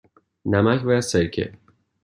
نمک و سرکه.